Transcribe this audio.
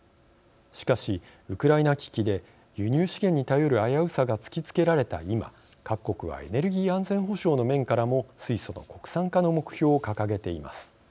しかし、ウクライナ危機で輸入資源に頼る危うさが突きつけられた今、各国はエネルギー安全保障の面からも水素の国産化の目標を掲げています。